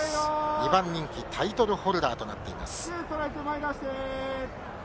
２番人気、タイトルホルダーとなっています。